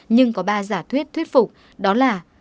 nhưng có ba giả thuyết thuyết phục đó là